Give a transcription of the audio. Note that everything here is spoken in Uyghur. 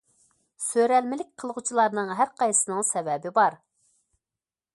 سۆرەلمىلىك قىلغۇچىلارنىڭ ھەر قايسىسىنىڭ سەۋەبى بار.